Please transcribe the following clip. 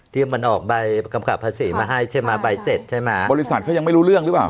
มันออกใบกำกับภาษีมาให้ใช่ไหมใบเสร็จใช่ไหมบริษัทเขายังไม่รู้เรื่องหรือเปล่า